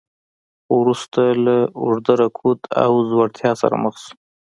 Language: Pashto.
خو وروسته له اوږده رکود او ځوړتیا سره مخ شو.